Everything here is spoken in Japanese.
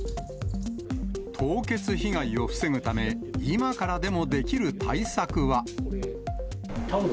凍結被害を防ぐため、今からでもできる対策は。